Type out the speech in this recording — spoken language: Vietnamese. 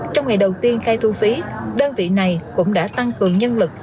trong ngày đầu tiên khai thu phí đơn vị này cũng đã tăng cường nhân lực